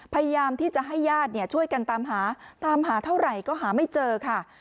พยายามที่จะให้ญาติช่วยกันตามหาตามหาเท่าไหร่ก็หาไม่เจอค่ะ